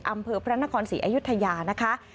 อำเภอพระนครศรีอยุธยานะคะ